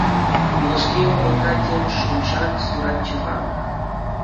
Юлашки вӑхӑтра тем шӑм-шак суратчӗ-ха.